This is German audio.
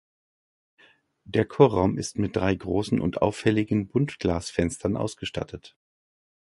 Der Chorraum ist mit drei großen und auffälligen Buntglasfenstern ausgestattet.